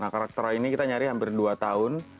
karakter ini kita nyari hampir dua tahun